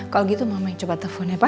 kalau gitu mama yang coba telepon ya pak